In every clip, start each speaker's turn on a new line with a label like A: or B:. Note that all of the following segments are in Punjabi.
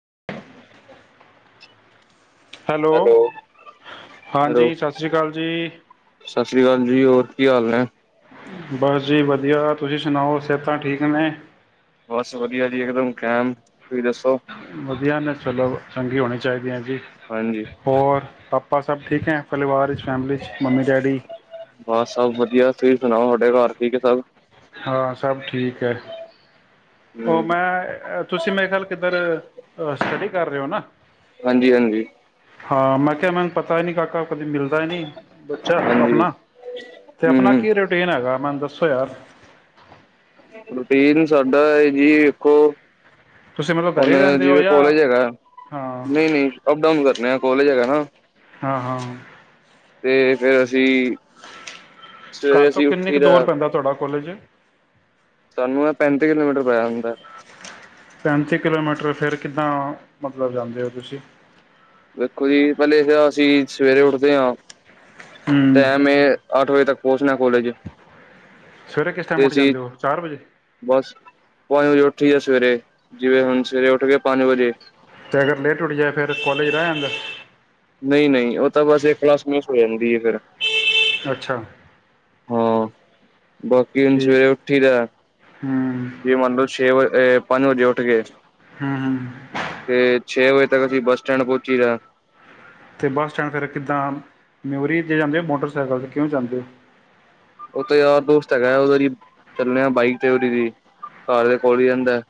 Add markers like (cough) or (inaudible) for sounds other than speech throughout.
A: (inaudible)
B: ਹੈਲੋ
A: ਹੈਲੋ
B: ਹਾਂਜੀ ਸਤਿ ਸ੍ਰੀ ਅਕਾਲ ਜੀ
A: ਸਤਿ ਸ੍ਰੀ ਅਕਾਲ ਜੀ ਹੋਰ ਕੀ ਹਾਲ ਹੈ
B: ਬਸ ਜੀ ਵਧੀਆ ਤੁਸੀਂ ਸੁਣਾਓ ਸਿਹਤਾਂ ਠੀਕ ਨੇ
A: ਬਸ ਵਧੀਆ ਜੀ ਇਕਦਮ ਕਾਇਮ ਤੁਸੀਂ ਦੱਸੋ
B: ਵਧੀਆ ਨੇ ਚਲੋ ਚੰਗੀ ਹੋਣੀ ਚਾਹੀਦੀ ਹੈ ਜੀ
A: ਹਾਂਜੀ
B: ਹੋਰ ਬਸ ਸਬ ਠੀਕ ਹੈ ਪਰਿਵਾਰ ਵਿੱਚ ਫੈਮਿਲੀ ਵਿੱਚ ਮੰਮੀ ਡੈਡੀ
A: ਬਸ ਸਭ ਵਧੀਆ ਤੁਸੀਂ ਸੁਣਾਓ ਤੁਹਾਡੇ ਘਰ ਠੀਕ ਹੈ ਸਬ
B: ਹਾਂ ਸਭ ਠੀਕ ਹੈ ਉਹ
A: ਹਮ
B: ਮੈਂ ਤੁਸੀਂ ਮੇਰੇ ਖਿਆਲ ਕਿੱਧਰ ਸਟੱਡੀ ਕਰ ਰਹੇ ਹੋ ਨਾ
A: ਹਾਂਜੀ ਹਾਂਜੀ
B: ਹਾਂ ਮੈਂ ਕਿਹਾ ਮੈੂਨੂੰ ਪਤਾ ਹੀ ਨਹੀਂ ਕਾਕਾ ਕਦੀ ਮਿਲਦਾ ਹੀ ਨੀ ਬੱਚਾ
A: ਹਾਂਜੀ
B: ਆਪਣਾ ਤੇ
A: ਹਮ
B: ਆਪਣਾ ਕੀ
A: ਹਮ
B: ਰੂਟੀਨ ਹੈਗਾ ਮੈਨੂੰ ਦੱਸੋ ਯਾਰ,
A: ਰੂਟੀਨ ਸਾਡਾ ਹੈ ਜੀ ਇੱਕ ਔ,
B: ਤੁਸੀਂ ਮਤਲਬ ਘਰ
A: ਹੁਣ
B: ਹੀ ਰਹਿੰਦੇ ਹੋ
A: ਜਿਵੇਂ
B: ਜਾਂ
A: ਕੋਲੇਜ ਹੈਗਾ
B: ਹਾਂ
A: ਨਹੀਂ-ਨਹੀਂ ਅਪ ਡਾਊਨ ਕਰਨੇ ਆ ਕੋਲੇਜ ਹੈਗਾ ਨਾ
B: ਹਾਂ-ਹਾਂ,
A: ਤੇ ਫੇਰ ਅਸੀਂ ਸਵੇਰੇ
B: ਘਰ ਤੋਂ
A: ਅਸੀਂ
B: ਕਿੰਨੀ
A: ਉੱਠੀ
B: ਕੁ
A: ਦਾ
B: ਦੂਰ ਪੈਂਦਾ ਤੁਹਾਡਾ ਕੋਲੇਜ,
A: ਤੁਹਾਨੂੰ ਇਹ ਪੈਂਤੀ ਕਿਲੋਮੀਟਰ ਪਇਆ ਹੁੰਦਾ।
B: ਪੈਂਤੀ ਕਿਲੋਮੀਟਰ ਫਿਰ ਕਿੱਦਾਂ ਮਤਲਬ ਜਾਂਦੇ ਹੋ ਤੁਸੀਂ,
A: ਦੇਖੋ ਜੀ, ਪਹਿਲੇ ਅਸੀਂ ਸਵੇਰੇ ਉੱਠਦੇ ਹਾਂ।
B: ਹੂੰ
A: ਟੈਮ ਐ, ਅੱਠ ਵਜੇ ਤੱਕ ਪਹੁੰਚਣਾ ਕੋਲਜ,
B: ਸਵੇਰੇ ਕਿਸ ਟਾਈਮ
A: ਤੇ
B: ਉੱਠ
A: ਅਸੀਂ
B: ਜਾਂਦੇ ਹੋ ਚਾਰ ਵਜੇ ਅਤੇ
A: ਬਸ ਪੰਜ ਵਜੇ, ਉੱਠੀ ਆ ਸਵੇਰੇ ਜਿਵੇਂ, ਹੁਣ ਸਵੇਰੇ ਉੱਠ ਕੇ ਪੰਜ ਵਜੇ।
B: ਤੇ ਅਗਰ ਲੇਟ ਉੱਠ ਜਾਏ ਫੇਰ ਕਾਲਜ ਰਹਿ ਜਾਂਦਾ?
A: ਨਹੀਂ ਨਹੀਂ ਉਹ ਤਾਂ ਬਸ ਇੱਕ ਕਲਾਸ ਮਿਸ ਹੋ ਜਾਂਦੀ ਆ ਫੇਰ,
B: ਅੱਛਾ,
A: ਹਾਂ, ਬਾਕੀ ਹੁਣ
B: ਠੀਕ
A: ਸਵੇਰੇ ਉੱਠੀ ਦਾ
B: ਹੂੰ
A: ਜੇ ਮੰਨ ਲਓ ਛੇ ਵ ਇਹ ਪੰਜ ਵਜੇ ਉੱਠ ਕੇ
B: ਹੂੰ-ਹੂੰ,
A: ਛੇ ਵਜੇ ਤੱਕ ਅਸੀਂ ਬੱਸ ਸਟੈਂਡ ਪਹੁੰਚੀ ਦਾ,
B: ਅਤੇ ਬੱਸ ਸਟੈਂਡ ਫਿਰ ਕਿੱਦਾਂ ਮਿਊਰੀ ਜੇ ਜਾਂਦੇ ਹੋ, ਮੋਟਰਸਾਈਕਲ 'ਤੇ ਕਿਉਂ ਜਾਂਦੇ ਹੋ।
A: ਉਹ ਤਾਂ ਯਾਰ ਦੋਸਤ ਹੈਗਾ, ਉਹ ਦੀ ਚੱਲਿਆ ਬਾਈਕ ਤੇ ਉਦੀ ਦੀ ਘਰ ਦੇ ਕੋਲ ਹੀ ਰਹਿੰਦਾ।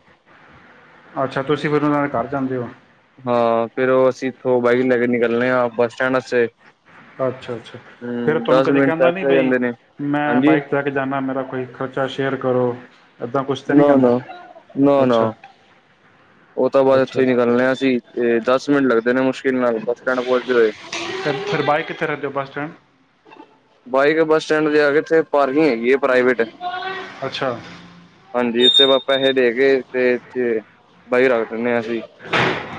B: ਅੱਛਾ, ਤੁਸੀਂ ਫਿਰ ਉਹਨਾਂ ਦੇ ਘਰ ਜਾਂਦੇ ਹੋ।
A: ਹਾਂ ਫੇਰ ਉਹ ਅਸੀਂ ਇਥੋਂ ਬਾਈਕ ਲੈ ਕੇ ਨਿਕਲਣੇ ਆ ਬੱਸ ਸਟੈਂਡ ਵਾਸਤੇ,
B: ਅੱਛਾ-ਅੱਛਾ, ਫੇਰ
A: ਹਮ
B: ਤੁਹਾਨੂੰ
A: ਦਸ
B: ਕਦੇ
A: ਮਿੰਟ
B: ਕਹਿੰਦਾ
A: ਤੱਕ
B: ਨੀ
A: ਹੋ
B: ਬਈ
A: ਜਾਂਦੇ ਨੇ
B: ਮੈਂ
A: ਹਾਂਜੀ
B: ਬਾਈਕ ਲੈ ਕੇ ਜਾਂਦਾ ਮੇਰਾ ਕੋਈ ਖ਼ਰਚਾ ਸ਼ੇਅਰ ਕਰੋ, ਏਦਾਂ ਕੁਛ ਤਾਂ ਨੀ
A: ਨਾ
B: ਕਹਿੰਦਾ
A: ਨਾ ਨਾ ਨਾ
B: ਅੱਛਾ,
A: ਉਹ ਤੋਂ ਬਾਅਦ ਇੱਥੋਂ
B: ਅੱਛਾ
A: ਹੀ
B: ਅੱਛਾ
A: ਨਿਕਲਣਾ ਅ
B: ਤੇ ਫਿਰ ਬਾਈ ਕਿੱਥੇ ਰੱਖਦੇ ਔ। Bus stand,
A: bike bus stand ਦੇ ਆ ਕੇਥੇ ਹੈਗੀ ਐ ਪ੍ਰਾਈਵੇਟ
B: ਅੱਛਾ
A: ਹਾਂਜੀ ਇੱਥੇ ਪਾਪਾ ਇਹ ਦੇਖ (unintelligible)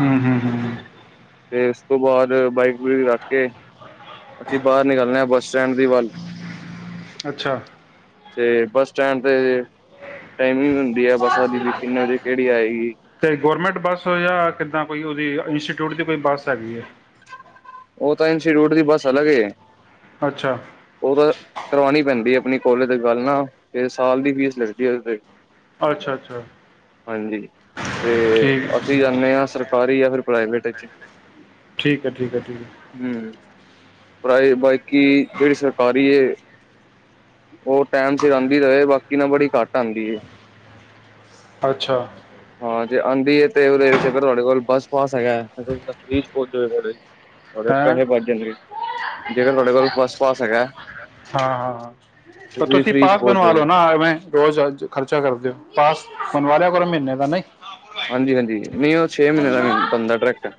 B: ਹੂੰ-ਹੂੰ-ਹੂੰ,
A: ਤੇ ਉਸ ਤੋਂ ਬਾਅਦ ਬਾਈਕ ਬਕ ਰੱਖ ਕੇ ਅਸੀਂ ਬਾਹਰ ਨਿਕਲ ਬੱਸ ਸਟੈਂਡ ਦੀ ਵੱਲ
B: ਅੱਛਾ,
A: ਤੇ ਬੱਸ ਸਟੈਂਡ ਤੇ ਟਾਈਮਿੰਗ ਹੁੰਦਾ
B: ਤੇ ਗੌਰਮੈਂਟ ਬੱਸ ਜਾਂ ਕਿੱਦਾਂ ਕੋਈ ਉਹਦੀ ਇੰਸਟੀਟਿਊਟ ਦੀ ਕੋਈ ਬੱਸ ਹੈਗੀ ਹੈ।
A: ਉਹ ਤਾਂ ਇੰਸਟੀਟਿਊਟ ਦੀ ਬੱਸ ਅਲੱਗ
B: ਅੱਛਾ
A: ਉਹ ਤਾਂ ਕਰਵਾਉਣੀ ਪੈਂਦੀ ਆਪਣੀ ਕੋਲੇਜ ਦੀ ਗੱਲ ਨਾ ਤੇ ਸਾਲ ਦੀ ਫੀਸ ਲੱਗਦੀ ਹੈ।
B: ਅੱਛਾ ਅੱਛਾ
A: ਹਾਂਜੀ ਤੇ
B: ਠੀਕ
A: ਅਸੀਂ ਜਾਂਦੇ ਹਾਂ ਸਰਕਾਰੀ ਆ ਫਿਰ ਪ੍ਰਾਈਵੇਟ ਚ
B: ਠੀਕ ਹੈ ਠੀਕ ਹੈ ਠੀਕ ਹੈ
A: ਹਮ ਪ੍ਰਾਈਵੇਟਬਾਕੀ ਜਿਹੜੀ ਸਰਕਾਰੀ ਉਹ ਟੈਮ ਸਿਰ ਆਉਂਦੀ ਰਹੇ ਬਾਕੀ ਨਾ ਬੜੀ ਘੱਟ ਆਉਂਦੀ
B: ਅੱਛਾ
A: ਜੇ ਆਉਂਦੀ ਹੈ ਤੇ ਉਹਦੇ ਵਿੱਚ ਤੁਹਾਡੇ ਕੋਲ ਬਸ ਪਾਸ ਹੈਗਾ ਬੜੇ
B: ਹੈਂ
A: ਪੈਸੇ ਬਚ ਜਾਣਗੇ ਜੇਕਰ ਤੁਹਾਡੇ ਕੋਲ ਬੱਸ ਪਾਸ ਹੈਗਾ
B: ਹਾਂ
A: ਤੇ
B: ਹਾਂ ਤੁਸੀਂ
A: ਫ੍ਰੀ ਚ
B: ਪਾਸ
A: ਪਹੁੰਚ
B: ਬਣਵਾ
A: ਜਾਓਗੇ।
B: ਲੋ ਨਾ ਐਵੇਂ ਰੋਜ਼ ਖਰਚਾ ਕਰਦੇਓ ਪਾਸ ਬਣਵਾ ਲਿਆ ਕਰੋ ਮਹੀਨੇ ਦਾ ਨਹੀਂ
A: ਹਾਂਜੀ ਹਾਂਜੀ ਨਹੀਂ ਉਹ ਛੇ ਮਹੀਨੇ ਦਾ ਮ ਬੰਦਾ ਡਾਇਰੈਕਟ ਹੈ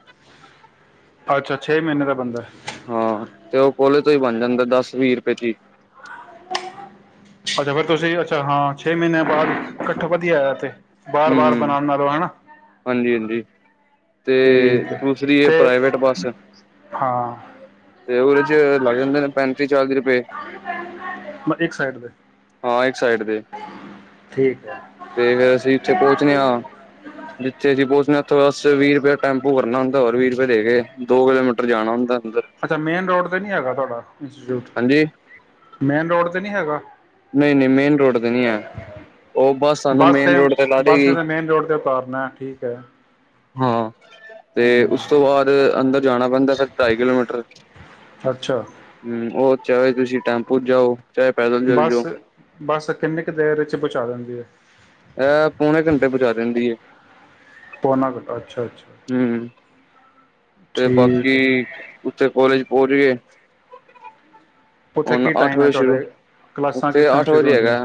B: ਅੱਛਾ ਛੇ ਮਹੀਨੇ ਦਾ ਬੰਦਾ
A: ਹਾਂ ਤੇ ਉਹ ਕੋਲੇ ਤੋਂ ਹੀ ਬਣ ਜਾਂਦਾ ਦਸ ਵੀਹ ਰੁਪਏ ਚ
B: ਅੱਛਾ ਫੇਰ ਤੁਸੀਂ ਅੱਛਾ ਹਾਂ ਛੇ ਮਹੀਨੇ ਬਾਅਦ ਇਕੱਠ ਵਧੀਆ ਆਇਆ ਤੇ ਬਾਰ ਵਾਰ
A: ਹੂੰ-ਹੂੰ,
B: ਬਣਾਉਣ ਨਾਲਓ ਹੈਾ
A: ਹਾਂਜੀ-ਹਾਂਜੀ ਤੇ ਦੂਸਰੀ ਹੈ ਪ੍ਰਾਈਵੇਟ ਬੱਸ
B: ਹਾਂ
A: ਤੇ ਉਹਦੇ ਚ ਲੱਗ ਜਾਂਦੇ ਨੇ ਪੈਂਤੀ ਚਾਲੀਪਏ
B: ਮ ਇੱਕ ਸਾਈਡ ਦੇ
A: ਹਾਂ ਇੱਕ ਸਾਈਡ ਦੇ ਤੇ ਫੇਿਰ ਅਸੀਂ ਉੱਥੇ ਪਹੁੰਚਦੇ ਹਾਂ ਜਿੱਥੇ ਅਸੀਂ ਪਹੁੰਚਣੇ ਬਸ ਵੀਹ ਰੁਪਏ ਟੈਂਪੂ ਕਰਨਾ ਹੁੰਦਾ ਹੋਰ ਵੀਹ ਰੁਪਏ ਦੇ ਕੇ, ਦੋ ਕਿਲੋਮੀਟਰ ਜਾਣਾ ਹੁੰਦਾ। ਅੰਦਰ
B: ਅੱਛਾ ਮੇਨ ਰੋਡ ਤੇ ਨੀ ਹੈਗਾ ਤੁਹਾਡਾ।
A: ਹਾਂਜੀ
B: ਮੇਨ ਰੋਡ ਤੇ ਨਹੀਂ ਹੈਗਾ।
A: ਨਹੀਂ ਨਹੀਂ ਮੇਨ ਰੋਡ ਤੇ ਨਹੀਂ ਹੈ, ਉਹ ਬਸ ਸਾਨੂੰ
B: ਬੱਸ
A: ਮੇਨ ਰੋਡ ਤੇ ਲਾ
B: ਬੱਸ ਨੇ
A: ਦੇਗੀ।
B: ਤਾਂ ਮੇਨ ਰੋਡ ਤੇ ਉਤਾਰਨਾ ਠੀਕ ਹੈ
A: ਹਾਂ ਤੇ ਉਸ
B: ਹਮ
A: ਤੋਂ ਬਾਅਦ ਅੰਦਰ ਜਾਣਾ ਪੈਂਦਾ ਫਿਰ ਢਾਈ ਕਿਲੋਮੀਟਰ,
B: ਅੱਛਾ
A: ਹਮ ਚਾਹੇ ਤੁਸੀਂ ਟੈਂਪੂ ਜਾਓ, ਚਾਹੇ ਪੈਦਲ ਚਲੇ ਜਾਓ
B: ਬੱਸ- ਬੱਸ ਕਿੰਨੀ ਕੁ ਦੇਰ ਚ ਪੂਚਾ ਦਿੰਦੀ ਐ?
A: ਐ, ਪੌਣੇ ਘੰਟੇ ਚ ਪਹੁੰਚਾ ਦਿੰਦੀ ਆ।
B: ਪੌਨਾ ਘੰਟਾ ਅੱਛਾ ਅੱਛਾ
A: ਹਮ, ਤੇ
B: ਠੀਕ
A: ਬਾਕੀ
B: ਹੈ
A: ਉੱਥੇ ਕੋਲੇਜ ਪਹੁੰਚਗੇ।
B: ਉੱਥੇ
A: ਹੁਣ
B: ਕੀ
A: ਅੱਠ
B: ਟਾਈਮ ਹੈ
A: ਵਜੇ, ਸ਼ੁਰੂ
B: ਤੁਹਾਡੇ ਕਲਾਸਾਂ ਕਿਸ
A: ਉੱਥੇ
B: ਟਾਈਮ
A: ਅੱਠ
B: ਸ਼ੁਰੂ
A: ਵਜੇ
B: ਹੁੰਦੀਆਂ
A: ਹੈਗਾ,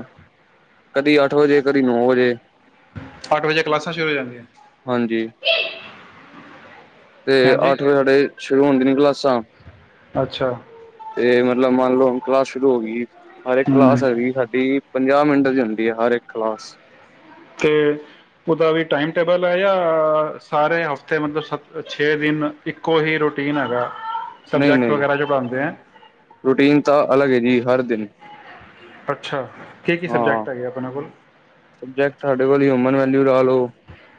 A: ਕਦੀ ਅੱਠ ਵਜੇ, ਕਦੀ ਨੌ ਵਜੇ।
B: ਅੱਠ ਵਜੇ ਕਲਾਸਾਂ ਸ਼ੁਰੂ ਹੋ ਜਾਂਦੀਆਂ
A: ਹਾਂਜੀ ਤੇ,
B: ਹਾਂਜੀ
A: ਅੱਠ ਵਜੇ ਸਾਡੇ ਸ਼ੁਰੂ ਹੁੰਦੀ ਨੇ ਕਲਾਸ ਸਾ
B: ਅੱਛਾ
A: ਤੇ, ਮ ਮੰਨ ਲਓ ਕਲਾਸ ਸ਼ੁਰੂ ਹੋ ਗਈ ਏ। ਹਾਲੇ ਕਲਾਸ
B: ਹਮ
A: ਹੈਗੀ ਸਾਡੀ ਪੰਜਾਹ ਮਿੰਟਾ ਦੀ ਹੁੰਦੀ ਹੈ, ਹਰ ਇੱਕ ਕਲਾਸ।
B: ਤੇ ਉਹਦਾ ਵੀ ਟਾਈਮ-ਟੇਬਲ ਹੈ ਯਾਂ, ਸਾਰੇ ਹਫ਼ਤੇ ਮਤਲਬ ਸ ਛੇ ਦਿਨ, ਇੱਕੋ ਹੀ ਰੂਟੀਨ ਹੈਗਾ।
A: ਨਹੀਂ,
B: ਸਬਜੈਕਟ
A: ਨਹੀਂ
B: ਵਗੈਰਾ ਜੋ ਪੜ੍ਹਾਉਂਦੇ ਹੈ
A: ਰੂਟੀਨ ਤਾਂ ਅਲੱਗ ਏ, ਜੀ, ਹਰ ਦਿਨ।
B: ਅੱਛਾ। ਕੀ ਕੀ
A: ਹਾਂ
B: ਸਬਜੈਕਟ ਹੈਗੇ ਆਪਣੇ ਕੋਲ
A: ਸਬਜੈਕਟ ਸਾਡੇ ਕੋਲ ਹਿਊਮਨ ਵੈਲਿਊ ਲਾ ਲੋ,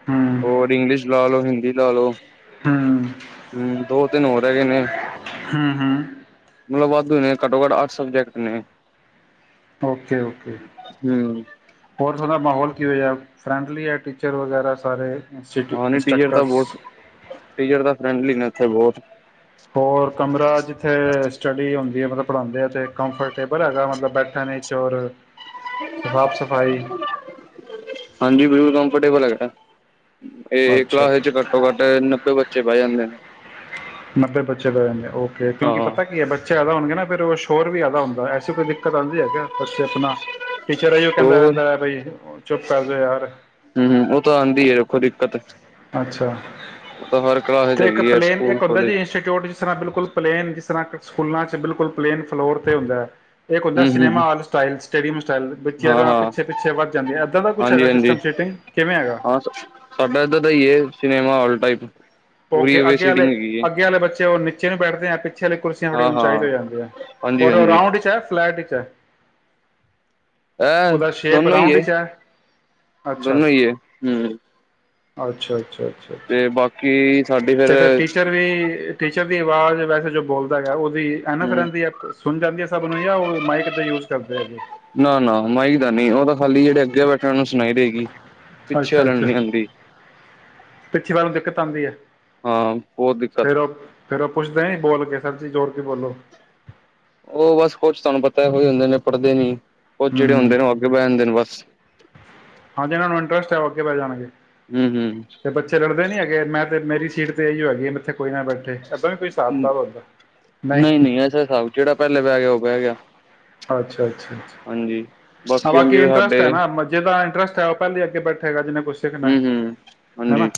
B: ਹੂੰ
A: ਹੋਰ ਇੰਗਲਿਸ਼ ਲਾ ਲਓ ਹਿੰਦੀ ਦੀ ਲਾਲੋਂ।
B: ਹੂੰ
A: ਹੁੰ, ਦੋ ਦਿਨ ਹੋਰ ਰੈਗੇ ਨੇ।
B: ਹੂੰ ਹੂੰ
A: ਮਤਲਬ ਵਾਧੂ ਨੇ। ਘੱਟੋ-ਘੱਟ, ਆਠ ਸਬਜੈਕਟ ਨੇ।
B: ਓਕੇ-ਓਕੇ
A: ਹੂੰ
B: ਹੋਰ, ਥਹਾਡਾ ਮਾਹੌਲ ਕਿਹੋ ਜੇਹਾ ਹੇ? ਫਰੈਂਡਲੀ ਹੈ ਟੀਚਰ ਵਗੈਰਾ ਸਾਰੇ। ਇੰਸਟੀ
A: ਹਾਂ, ਨੀ ਟੀਚਰ ਤਾਂ
B: ਇੰਸਟਰਕਟਰਸ
A: ਬਹੁਤ ਟੀਚਰ ਤਾਂ, ਫ੍ਰੇੰਡਲੀ ਨੇ। ਇੱਥੇ ਬਹੁਤ
B: ਹੋਰ, ਕਮਰਾ ਜਿੱਥੇ ਸਟੱਡੀ ਹੁੰ ਵੀ ਮਤਲਬ ਪੜ੍ਹਾਉਦੇ ਆ, ਅਤੇ ਕੰਫਰਟੇਬਲ ਹੈਗਾ ਮਤਲਬ ਬੈਠਣ 'ਚ ਔਰ ਸਾਫ਼ ਸਫਾਈ
A: ਹਾਂਜੀ। ਬਿਲਕੁਲ, ਕੰਫਰਟੇਬਲ ਹੈਗਾ। ਇਹ
B: ਅੱਛਾ
A: ਕਲਾਸ
B: ਅੱਛਾ
A: ਵਿੱਚ, ਘੱਟੋ- ਘੱਟ, ਨੱਬੇ ਬੱਚੇ ਬੈਅ ਜਾਂਦੇ ਨੇ।
B: ਨੱਬੇ ਬੱਚੇ ਬੈ ਜਾਂਦੇ, ਓਕੇ,
A: ਹਾਂ
B: ਕਿਉਂਕਿ ਪਤਾ ਕੀ ਹੈ, ਬੱਚੇ ਜ਼ਿਆਦਾ ਹੋਣਗੇ ਨਾ ਫਿਰਰ ਸ਼ੋਰ ਵੀ ਜਿਆਦਾ ਹੁਦਾ ਏ, ਐਸੀ ਕੋਈ ਦਿੱਕਤ ਆਂ ਬੱਚੇ ਆਪਣਾ ਟੀਚਰ ਏਈਓ ਕਹਿੰਦਾ
A: ਹੋਰ
B: ਰਹਿੰਦਾ ਹੈ, ਬਈ ਚੁੱਪ ਕਰਜੋ ਯਾਰ।
A: ਹੂੰ ਉਹ ਤਾਂ ਆਉਂਦੀ ਹੈ ਦੇਖੋ ਦਿੱਕਤ
B: ਅੱਛਾ।
A: ਮਤਲਬ ਹਰ ਕਲਾਸ ਚ
B: ਤੇ ਇੱਕ
A: ਹੈਗੀ ਹੈ
B: ਪਲੇਨ
A: ਸਕੂਲ
B: ਇੱਕ ਹੁੰਦਾ
A: ਕਾਲਜ
B: ਜੀ, ਇੰਨਸਿਟਿਊਟ, ਜਿਸ ਤਰ੍ਹਾਂ ਬਿਲਕੁਲ ਪਲੇਨ ਜਿਸ ਤਰ੍ਹਾਂ ਸਕੂਲਾਂ ਚ ਬਿਲਕੁਲ ਪਲੇਨ ਫਲੋਰ ਤੇ ਹੁੰਦੈ। ਇੱਕ ਹੁੰਦੈ
A: ਹੂੰ ਹੂੰ
B: ਸਿਨੇਮਾ
A: ਹੂੰ
B: ਹਾਲ ਸਟਾਈਲ ਚ ਤੇਰੀ ਮੁ ਚੱਲ ਬੱਚਿਆਂ
A: ਹਾਂ
B: ਨਾਲ
A: ਹਾਂ
B: ਪਿੱਛੇ-ਪਿੱਛੇ ਵੱਧ ਜਾਂਦੀ ਏ, ਐਦਾਂ ਦਾ ਕੁਛ
A: ਹਾਂਜੀ
B: ਹੈਗਾ
A: ਹਾਂਜੀ
B: ਸਿਸਟਮ ਸ਼ਿਟਿੰਗ। ਕਿਵੇਂ ਹੈਗਾ?
A: ਸਿਨਮਾ ਹਾਲ ਟਾਈਪ ਪੂਰੀ
B: ਔਕੇ
A: ਵੇ
B: ਅੱਗੇ ਆਲੇ,
A: ਸੀਟਿੰਗ ਹੈਗੀ ਹੈ
B: ਅੱਗੇ ਆਲੇ ਬੱਚੇ ਔ ਨਿੱਚੇ ਨੂੰ ਬੈਠਦੇ ਐਂ, ਪਿੱਛੇ ਆਲੀ ਕੁਰਸੀਆਂ ਬੜ੍ਹੀ
A: ਹਾਂ
B: ਉਚਾਈ
A: ਹਾਂ
B: ਤੇ ਜਾਂਦੀਐ।
A: ਹਾਂਜੀ
B: ਹੋਰ ਔ
A: ਹਾਂਜੀ
B: ਰਾਊਂਡ ਇੱਚ ਐ ਫਲੈਟ ਇੱਚ ਐ?
A: ਐ ਦੋਨੋਂ ਈ ਏ, ਦੋਨੋਂ ਈ ਏ, ਹੂੰ।
B: ਅੱਛਾ-ਅੱਛਾ।
A: ਤੇ ਬਾਕੀ ਸਾਡੀ ਫੇਰ
B: ਤੇ ਫੇਿਰ ਟੀਚਰ ਵੀ ਟੀ ਚਰ ਦੀ ਆਵਾਜ਼ ਵੈਸੇ ਜੋ ਬੋਲਦਾ ਹੈਗੈ, ਔ ਵੀ ਐਨਫ
A: ਹੂੰ
B: ਰੈਂਦੀ ਐ, ਪ ਸੁਣ ਜਾਂਦੀ ਐ ਸਭ ਔਨਾ ਨੂੰ ਯਾ ਔ ਮਾਈਕ ਦਾ ਯੂਜ ਕਰਦੇ ਹੈਗੇ।
A: ਨਾ ਨਾ ਮਾਈਕ ਦਾ ਨਹੀਂ ਉਹ ਤਾਂ ਖਾਲੀ ਜਿਹੜੇ ਅੱਗੇ ਬੈਠਣ ਨੂੰ ਸੁਣਾਈ ਦੇਗੀ, ਪਿੱਛੇ
B: ਅੱਛਾ
A: ਆਲਿਆਂ ਨੂੰ
B: ਅੱਛਾ
A: ਨੀ ਆਂਦੀ।
B: ਕਤ ਆਂਦੀ ਐ।
A: ਹਾਂ, ਬੋਤ ਦਿੱਕਤ।
B: ਫਿਰ ਉਹ ਪੁੱਛਦੇ ਨੀ ਬੋਲ ਕੇ ਸਰ ਜੀ ਜ਼ੋਰ ਕੇ ਬੋਲੋ
A: ਔ ਬਸ ਕੁਛ ਤੁਆਨੂੰ ਪਤੈ ਹੋ ਈ ਜਾਂਦੇ ਨੇ। ਪੜਦੇ ਨੀ ਕੁਝ ਜਿਹੜੇ
B: ਹਮ
A: ਹੁੰਦੇ ਨੇ ਔ ਅੱਗੇ ਬੈ ਜਾਂਦੇ ਨੇ ਬਸ
B: ਹਾਂ, ਜਿੰਨਾਂ ਨੂੰ ਇੰਟਰਸਟ ਐ ਔ ਅੱਗੇ ਬੈ ਜਾਣਗੇ
A: ਹੂੰ ਹੂੰ
B: ਤੇ ਬੱਚੇ ਲੜਦੇ ਨੀ ਹੈਗੇ ਮੈਂ ਤੇ, ਮੇਰੀ ਸੀਟ ਤੇ ਇਯੋ ਹੈਗੀ ਏ ਨਹੀਂ
A: ਨਈ-ਨਈ ਐਸਾ ਹਿਸਾਬ ਜੇੜਾ ਪੈਲੇ ਬੈ ਗਿਆ ਔ ਬੈ ਗਿਆ।
B: ਅੱਛਾ ਅੱਛਾ ਅੱਛਾ
A: ਹਾਂਜੀ।
B: ਹਾਂ,
A: ਹੁਣ
B: ਬਾਕੀ
A: ਜਿਵੇਂ
B: ਇੰਟਰਸਟ ਹੈ
A: ਸਾਡੇ
B: ਨਾ ਮ, ਜੇਦਾ ਟਰੱਸਟ ਏ ਪਹਿਲੇ ਅੱਗੇ ਬੈਠੇਗਾ ਜਿਹਨੇ। ਕੁਛ ਸਿੱਖਣਾ
A: ਹੂੰ
B: ਹੈ
A: ਹੂੰ
B: ਹਨਾ
A: ਹਾਂਜੀ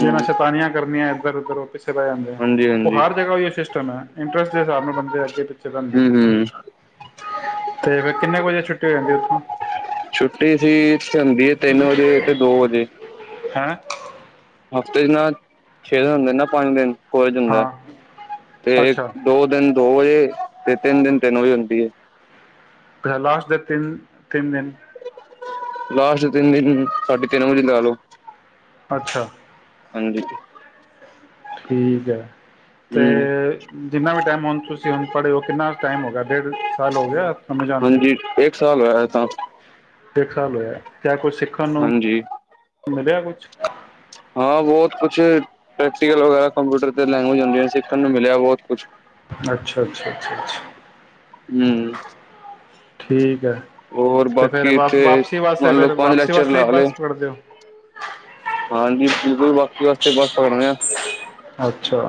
A: ਹੂੰ
B: ਸ਼ੈਤਾਨੀਆਂ ਕਰਨੀਆਂ। ਧਰੋ ਧਰੋ। ਪੈ ਜਾਂਦੇ
A: ਹਾਂਜੀ
B: ਉਹ
A: ਹਾਂਜੀ
B: ਹਰ ਜਗ੍ਹਾ ਸਿਸਟਮ ਹੈ, ਇੰਟਰਸਟ ਦੇ ਹਿਸਾਬ ਨਾਲ ਬੰਦੇ ਅੱਗੇ ਪਿੱਛੇ ਬਣਦੇ
A: ਹੂੰ ਹੂੰ
B: ਤੇ ਫਿਰ ਕਿੰਨੇ ਕੁ ਵਜੇ ਛੁੱਟੀ ਜਾਂਦੇ (inaudible) ਉੱਥੋਂ-
A: ਛੁੱਟੀ ਸੀ। ਹੁੰਦੀ ਹੈ ਤਿੰਨ ਵਜੇ ਤੇ ਦੋ ਵਜੇ।
B: ਹੈਂ
A: ਹਫ਼ਤੇ ਚ ਨਾ ਛੇ ਦਿਨ ਹੁੰਦੇ ਨੇ ਨਾ ਪੰਜ ਦਿਨ। ਹੋ ਜਾਂਦਾ,
B: ਹਾਂ
A: ਤੇ
B: ਅੱਛਾ
A: ਦੋ ਦਿਨ ਦੋ ਵਜੇ ਤੇ ਤਿੰਨ ਦਿਨ ਤਿੰਨ ਵਜੇ ਹੁੰਦੀ ਐ।
B: ਲਾਸਟ ਦੇ ਤਿੰਨ ਤਿੰਨ ਦਿਨ
A: ਲਾਸਟ ਦੇ ਤਿੰਨ ਦਿਨ ਸਾਢੇ ਤਿੰਨ ਵਜੇ ਲਾ ਲੋ।
B: ਅੱਛਾ।
A: ਹਾਂਜੀ।
B: ਠੀਕ ਹੈ, ਤੇ
A: ਹੂੰ
B: ਜਿੰਨਾ ਵੀ ਟਾਈਮ ਹੁਣ ਤੁਸੀਂ ਹੁਣ ਪੜ੍ਹੇ ਹੋ ਕਿੰਨਾ ਟਾਈਮ ਹੋ ਗਿਆ ਡੇਢ ਸਾਲ ਹੋ ਗਿਆ ਤੁਹਾਨੂੰ ਜਾਦੇ ਆ।
A: ਚਲ ਆਏ ਤਾਂ,
B: ਇੱਕ ਸਾਲ ਹੋਇਆ। ਜਾਂ ਕੁਛ ਸਿੱਖਣ ਨੂੰ
A: ਹਾਂਜੀ
B: ਮਿਲਿਆ ਕੁਛ,
A: ਹਾਂ ਬਹੁਤ ਕੁਛ ਪ੍ਰੈਕਟੀਕਲ ਵਗੈਰਾ ਕੰਪਿਊਟਰ ਤੇ ਲੈਂਗੁਜ ਹੁੰਦੀ, ਸਿੱਖਣ ਨੂੰ ਮਿਲਿਆ ਬਹੁਤ ਕੁਛ
B: ਅੱਛਾ-ਅੱਛਾ-ਅੱਛਾ-ਅੱਛਾ,
A: ਹੂੰ,
B: ਠੀਕ,
A: ਹੋਰ
B: ਤੇ ਫੇਰ
A: ਬਾਕੀ
B: ਵਾ
A: ਇੱਥੇ
B: ਵਾਪਸੀ ਵਾਸਤੇ
A: ਮੰਨ ਲਓ
B: ਫਿਰ
A: ਪੰਜ
B: ਵਾਪਸੀ
A: ਲੈਕਚਰ
B: ਵਾਸਤੇ ਹੀ
A: ਲਾ ਲਏ
B: ਬੱਸ ਫੜਦੇਓ।
A: ਫਿਲ ਵਾਸਤੇ ਬਸ ਪਕੜਨ ਆ
B: ਅੱਛਾ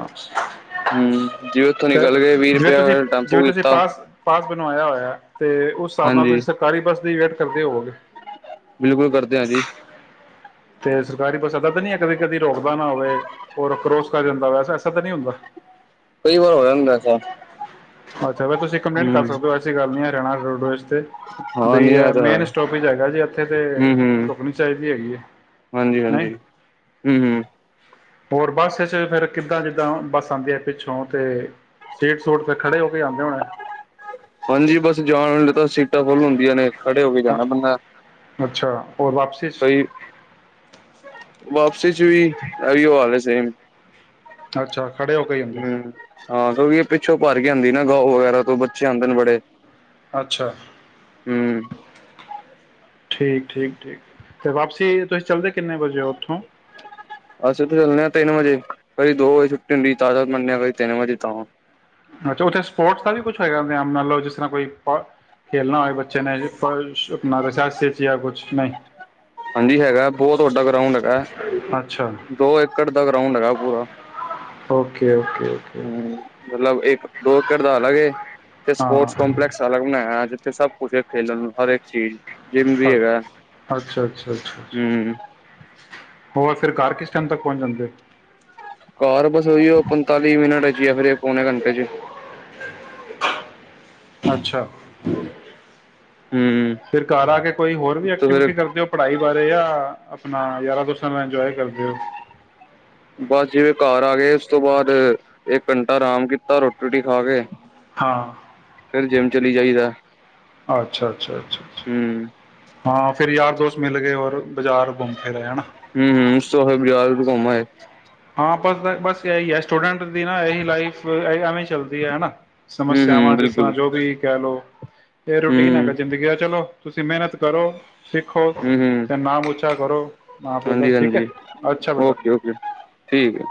A: ਹੂੰ ਜਿਵੇ, ਓਥੋਂ
B: ਅਤੇ
A: ਨਿਕਲ ਗਏ ਵੀਹ ਰੁਪਈਆ ਆਲਾ ਟੈਂਪੂ ਕੀਤਾ।
B: ਬਨ ਆਇਆ ਹੋਇਆ। ਤੇ ਉਸ ਹਿਸਾਬ ਨਾਲ ਤੁਸੀਂ
A: ਹਾਂਜੀ
B: ਸਰਕਾਰੀ ਬੱਸ ਦੀ ਵੇਟ ਕਰਦੇ ਹੋਵੋਗੇ।
A: ਬਿਲਕੁਲ ਕਰਦੇ ਹਾਂਜੀ,
B: ਤੇ ਸਰਕਾਰੀ ਬੱਸ ਏਦਾਂ ਤਾਂ ਨਹੀਂ ਕਦੇ ਕਦੀ ਰੋਕਦਾ ਨਾ ਹੋਵੇ, ਔਰ ਕਰੋਸ ਕਰ ਜਾਂਦਾ ਵੈਸਾ ਐਸਾ ਤਾਂ ਨਹੀਂ ਹੁੰਦਾ।
A: ਕਈ ਵਾਰ ਹੋ ਜਾਂਦਾ ਐਸਾ
B: ਅੱਛਾ ਫੇਰ ਤੁਸੀਂ ਕੰਪਲੇਂਟ ਕਰ
A: ਹੂੰ
B: ਸਕਦੇ ਹੋ, ਐਸੀ ਗੱਲ ਨਹੀਂ। ਹਰਿਆਣਾ ਰੋਡਵੇਜ,
A: ਹਾਂ
B: ਬਈ
A: ਨਹੀਂ ਆ ਤਾਂ
B: ਮੇਨ
A: ਹੈ
B: ਸਟੋਪਜ ਹੈਗਾ, ਜੀ ਇੱਥੇ ਤੇ
A: ਹੂੰ ਹੂੰ
B: ਰੁਕਣੀ ਚਾਹੀਦੀ ਹੈਗੀ ਆ
A: ਹਾਂਜੀ
B: ਨਹੀਂ।
A: ਹਾਂਜੀ ਹੂੰ ਹੂੰ
B: ਹੋਰ ਬਸ ਇਸ ਤ ਫੇਰ ਕਿੱਦਾਂ ਜਿੱਦਾਂ ਬਸ ਤੁਆਨੂੰ ਵੀ ਇੱਥੇ (unintelligible) ਏ ਸੇਟ ਸੂਟ ਤ ਖੜੇ ਹੋ ਕੇ ਜਾਂਦੇ ਹੋਣੈ।
A: ਹਾਂਜੀ, ਬਸ ਜਾਣ ਲਈ ਤਾਂ ਸੀਟਾਂ ਫੁੱਲ ਹੁੰਦੀਆਂ ਨੇ। ਖੜੇ ਹੋ ਕੇ ਜਾਣਾ ਪੈਂਦੈ।
B: ਅੱਛਾ ਔਰ ਵਾਪਸੀ 'ਚ
A: ਕੋਈ ਵਸ ਛ ਛ ਵੀ ਆਇਐ ਹਾਲ ਐ ਸੇਮ।
B: ਅੱਛਾ। ਖੜੇ ਹੋ ਕੇਈ ਹੁੰਦੇ
A: ਹੂੰ ਹਾਂ ਕਿਉਂਕਿ ਇਹ ਪਿੱਛੋਂ ਭਰ ਕੇ ਆਉਂਦੀ ਨਾ ਗਾ ਵਗੈਰਾ ਤੋਂ ਬੱਚੇ ਆਉਂਦੇ ਨੇ ਬੜੇ
B: ਅੱਛਾ
A: ਹੂੰ
B: ਠੀਕ ਠੀਕ ਠੀਕ ਤੇ ਵਾਪਸੀ ਤੁਸੀਂ ਚਲਦੇ ਕਿੰਨੇ ਵਜੇ ਹੋ ਉੱਥੋਂ
A: ਅਸੀਂ ਤਾਂ ਚੱਲਦੇ ਹਾਂ ਤਿੰਨ ਵਜੇ ਕੀ ਦੋ ਵਜੇ ਛੁੱਟੀ ਹੁੰਦੀ ਤਾਜ਼ਾਤ ਮੰਨੇ ਹਾਂ ਕਦੀ ਤਿੰਨ ਵਜੇ ਤਾਂ
B: ਅੱਛਾ ਉੱਥੇ ਸਪੋਰਟਸ ਦਾ ਵੀ ਕੁਛ ਹੋਗਾ ਮੰਨ ਲਓ ਜਿਸ ਤਰ੍ਹਾਂ ਕੋਈ ਖੇਲਣਾ ਹੋਵੇ ਬੱਚੇ ਨੇ ਆਪਣਾ ਜਾਂ ਕੁਛ ਨਹੀਂ
A: ਹਾਂਜੀ ਹੈਗਾ ਬਹੁਤ ਵੱਡਾ ਗਰਾਉਂਡ ਹੈਗਾ
B: ਅੱਛਾ
A: ਦੋ ਏਕੜ ਦਾ ਗਰਾਉਂਡ ਹੈਗਾ ਪੂਰਾ
B: ਓਕੇ ਓਕੇ ਓਕੇ
A: ਹਮ ਮਤਲਬ ਇੱਕ ਦੋ ਏਕੜ ਦਾ ਅਲਗ ਤੇ
B: ਹਾਂ
A: ਸਪੋਰਟਸ ਕੰਪਲੈਕਸ ਅਲਗ ਬਣਾਇਆ ਅੱਜ ੇ ਸਭ ਕੁਛ ਖੇਲਣ ਹਰੇਕ ਚੀਜ਼
B: ਅੱ ਅੱਛਾ ਅੱਛਾ ਅੱਛਾ।
A: ਹਮ
B: ਹੋਰ ਫਿਰ ਘਰ ਕਿਸ ਟਾਈਮ ਤੱਕ ਪਹੁੰਚ ਜਾਂਦੇ
A: ਕਾਰ ਬਸ ਉਹੀ ਪੰਤਾਲੀ ਮਿੰਟ ਹ ਜੀ ਮੇਰੇ ਕੋਨੇ ਘੰਟੇ ਚ
B: ਅੱਛਾ
A: ਹੂੰ
B: ਫਿਰ ਘਰ ਆ ਕੇ ਕੋਈ ਹੋਰ ਵੀ
A: ਤੇ ਫਿਰ
B: ਐਕਟੀਵਿਟੀ ਕਰਦੇ ਹੋ ਪੜ੍ਹਾਈ ਬਾਰੇ ਜਾਂ ਆਪਣਾ ਯਾਰਾਂ ਦੋਸਤਾਂ ਨਾਲ ਇੰਜੋਏ ਕਰਦੇ ਦੇਓ
A: ਬਸ ਜਿਵੇਂ ਘਰ ਆ ਗਏ ਉਸ ਤੋਂ ਬਾਅਦ ਇੱਕ ਘੰਟਾ ਆਰਾਮ ਕੀਤਾ ਰੋਟੀ ਰੋਟੀ ਖਾ ਕੇ
B: ਹਾਂ
A: ਫਰ ਜਿੰਮ ਚਲੀ ਜਾਈਦਾ
B: ਅੱਛਾ ਅੱਛਾ ਅੱਛਾ ਅੱਛਾ
A: ਹਮ
B: ਹਾਂ ਫੇਿਰ ਯਾਰ ਦੋਸਤ ਮਿਲ ਗਏ ਹੋਰ
A: ਸ਼ੋਰੂਮ ਬਾਜ਼ਾਰ ਚ ਘੁੰਮ ਆਈਦਾ ਹ
B: ਆਪਸ ਬਸ ਇਹੀ ਹੈ ਸਟੂਡੈਂਟ ਦੀ ਨਾ ਇਹੀ ਲਾਈਫਵੇਂ ਚੱਲਦੀ ਹੈ ਹਨਾ
A: ਹਮ ਹਮ
B: ਸਮੱਸਿਆਵਾਂ ਜਿਸ ਤਰ੍ਹਾਂ
A: ਬਿਲਕੁਲ
B: ਜੋ ਵੀ ਕਹਿ ਲਓ ਇਹ ਰੂਟੀਨ
A: ਹਮ
B: ਹੈਗਾ ਜ਼ਿੰਦਗੀ ਦਾ ਚਲੋ ਤੁਸੀਂ ਮਿਹਨਤ ਕਰੋ ਸਿੱਖੋ
A: ਹਮ ਹਮ
B: ਤੇ ਨਾਮ ਉਚਾ ਕਰੋ ਮਾਂ ਪਿਓ ਦਾ
A: ਹਾਂਜੀ
B: ਠੀਕ ਹੈ
A: ਹਾਂਜੀ
B: ਅੱਛਾ ਬੇਟਾ
A: ਓਕੇ ਓਕੇ ਠੀਕ ਹੈ।